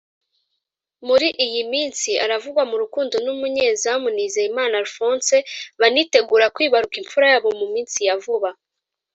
muri iyi minsi aravugwa mu rukundo n’umunyezamu Nizeyimana Alphonse banitegura kwibaruka imfura yabo mu minsi ya vuba